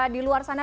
di luar sana